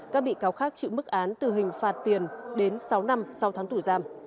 các bị cáo khác chịu mức án từ hình phạt tiền đến sáu năm sau tháng tù giam